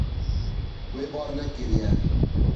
Wê bar nekiriye.